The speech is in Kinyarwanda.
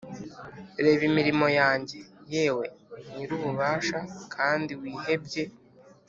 reba imirimo yanjye, yewe nyirububasha, kandi wihebye! '